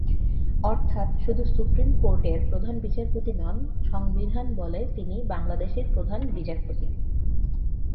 অর্থাৎ শুধু সুপ্রিম কোর্টের প্রধান বিচারপতি নন, সংবিধানবলে তিনি বাংলাদেশের প্রধান বিচারপতি।